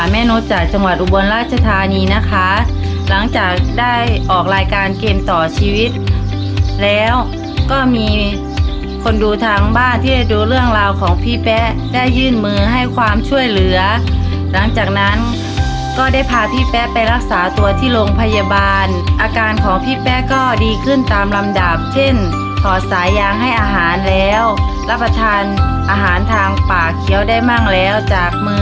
มนุษย์จากจังหวัดอุบลราชธานีนะคะหลังจากได้ออกรายการเกมต่อชีวิตแล้วก็มีคนดูทางบ้านที่ได้ดูเรื่องราวของพี่แป๊ะได้ยื่นมือให้ความช่วยเหลือหลังจากนั้นก็ได้พาพี่แป๊ะไปรักษาตัวที่โรงพยาบาลอาการของพี่แป๊ะก็ดีขึ้นตามลำดับเช่นถอดสายยางให้อาหารแล้วรับประทานอาหารทางปากเคี้ยวได้มั่งแล้วจากมือ